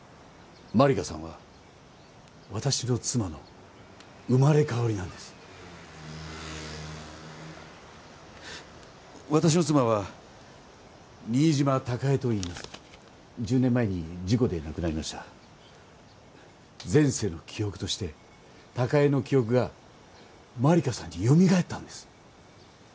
万理華さんは私の妻の生まれ変わりなんです私の妻は新島貴恵といいます１０年前に事故で亡くなりました前世の記憶として貴恵の記憶が万理華さんによみがえったんです